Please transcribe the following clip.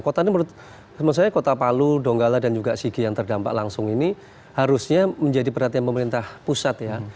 kota ini menurut saya kota palu donggala dan juga sigi yang terdampak langsung ini harusnya menjadi perhatian pemerintah pusat ya